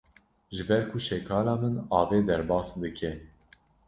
Ji ber ku şekala min avê derbas dike.